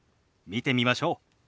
見てみましょう。